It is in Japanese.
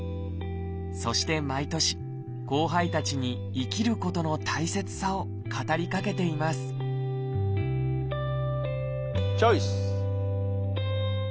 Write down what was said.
そして毎年後輩たちに生きることの大切さを語りかけていますチョイス！